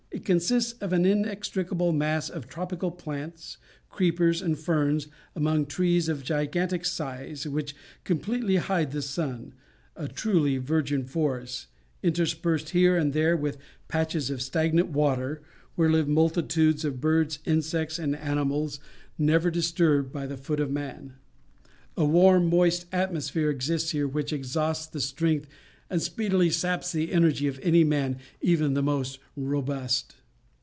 It consists of an inextricable mass of tropical plants, creepers, and ferns, among trees of gigantic size which completely hide the sun, a truly virgin forest, interspersed here and there with patches of stagnant water, where live multitudes of birds, insects, and animals, never disturbed by the foot of man. A warm, moist atmosphere exists here which exhausts the strength and speedily saps the energy of any man, even the most robust.